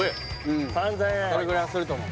うんそれぐらいはすると思う